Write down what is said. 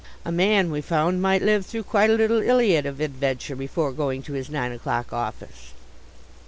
A man, we found, might live through quite a little Iliad of adventure before going to his nine o'clock office.